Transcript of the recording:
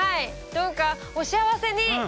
どうかお幸せに。